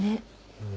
うん？